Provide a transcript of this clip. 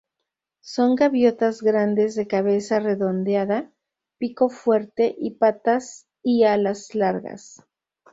Son gaviotas grandes de cabeza redondeada, pico fuerte y patas y alas largas.